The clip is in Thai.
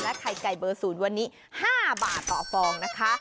และไข่ไก่เบอร์ศูนย์วันนี้๕บาทต่อฟองนะคะ